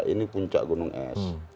ini puncak gunung es